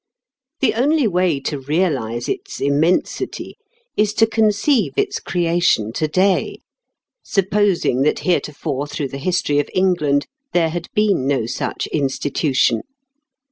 The only way to realise its immensity is to conceive its creation today, supposing that heretofore through the history of England there had been no such institution.